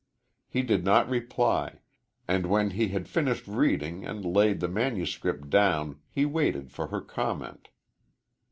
He did not reply, and when he had finished reading and laid the manuscript down he waited for her comment.